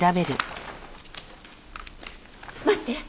待って！